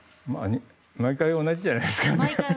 毎回同じじゃないですか。